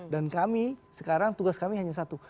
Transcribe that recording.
dan kami sekarang tugas kami hanya satu